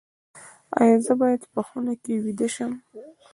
ایا زه باید په خونه کې ویده شم؟